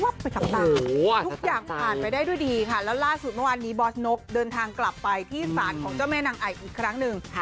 ก็กลายเป็นสตางค์